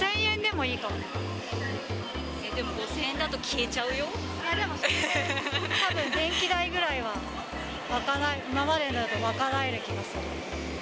でも、５０００円だと消えちたぶん電気代くらいは賄える、今までだと賄える気がする。